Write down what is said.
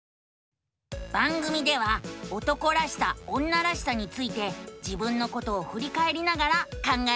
番組では「男らしさ女らしさ」について自分のことをふりかえりながら考えているのさ。